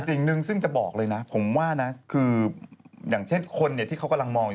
สิ่งหนึ่งซึ่งจะบอกเลยนะผมว่านะคืออย่างเช่นคนที่เขากำลังมอง